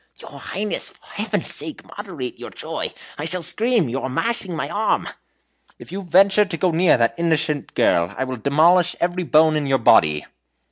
"Your Highness, for Heaven's sake, moderate your joy. I shall scream you are mashing my arm!" "If you venture to go near that innocent girl, I will demolish every bone in your body."